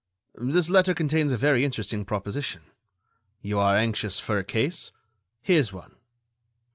"This letter contains a very interesting proposition. You are anxious for a case—here's one.